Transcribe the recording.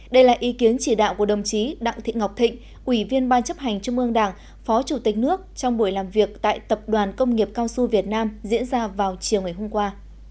đây là ý kiến chỉ đạo của đồng chí đặng thị ngọc thịnh ủy viên ban chấp hành trung ương đảng phó chủ tịch nước trong buổi làm việc tại tập đoàn công nghiệp cao su việt nam diễn ra vào chiều ngày hôm qua